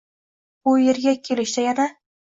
Bu yerga kelishda yana